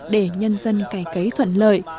để nhân dân cải cấy thuận lợi